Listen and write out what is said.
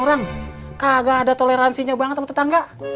orang agak ada toleransinya banget sama tetangga